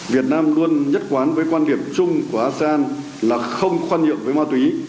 việt nam luôn nhất quán với quan điểm chung của asean là không khoan nhượng với ma túy